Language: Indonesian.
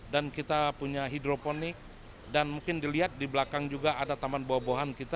dan kita punya hidroponik dan mungkin dilihat di belakang juga ada taman bobohan kita